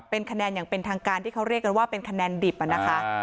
เป็นคะแนนอย่างเป็นทางการที่เขาเรียกกันว่าเป็นคะแนนดิบนะคะ